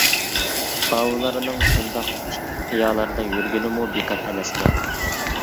ئاۋۇلارنىڭ شۇنداق تىك قىيالاردا يۈرگىنىمۇ بىكار ئەمەسكەن.